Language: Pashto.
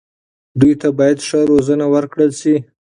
دوی ته باید ښه روزنه ورکړل شي.